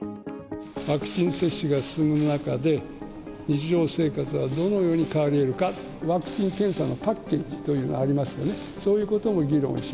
ワクチン接種が進む中で、日常生活はどのように変わりえるか、ワクチン・検査パッケージというものがありますよね。